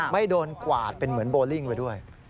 ไม่โดนกวาดเป็นเหมือนโบลิ่งไปด้วย